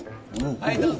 はいどうぞ。